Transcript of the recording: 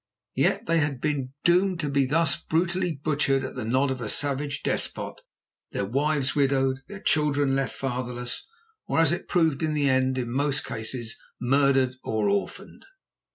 Yet they had been doomed to be thus brutally butchered at the nod of a savage despot, their wives widowed, their children left fatherless, or, as it proved in the end, in most cases murdered or orphaned!